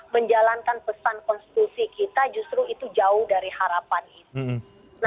menjalankan pesan konstitusi kita justru itu jauh dari harapan itu